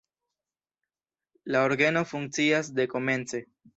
La orgeno funkcias dekomence.